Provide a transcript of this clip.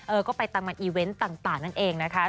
เออก็ไปตามงานอีเวนต์ต่างนั่นเองนะคะ